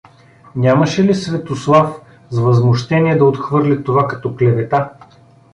Нямаше ли Светослав с възмущение да отхвърли това като клевета?